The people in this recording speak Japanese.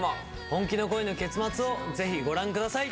本気の恋の結末をぜひご覧ください。